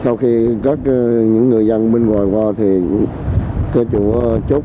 sau khi các người dân bên ngoài qua thì cơ chủ chúc